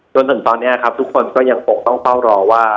จนถึงตอนนี้ครับทุกคนก็ยังคงต้องเฝ้ารอว่า